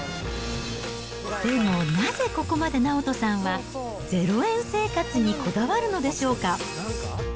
でも、なぜここまで直人さんは０円生活にこだわるのでしょうか。